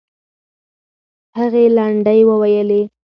هغې لنډۍ وویلې.